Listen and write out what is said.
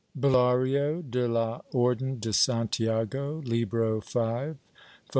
(Bulario de la Orclen de Santiago, Libro V, fol.